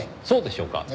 そうでしょうか？